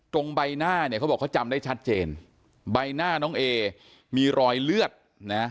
ใบหน้าเนี่ยเขาบอกเขาจำได้ชัดเจนใบหน้าน้องเอมีรอยเลือดนะ